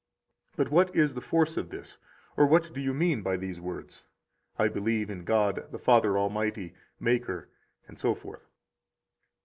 13 But what is the force of this, or what do you mean by these words: I believe in God, the Father Almighty, Maker, etc.?